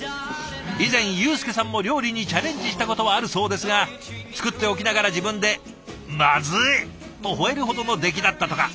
以前祐扶さんも料理にチャレンジしたことはあるそうですが作っておきながら自分で「まずい！」とほえるほどの出来だったとか。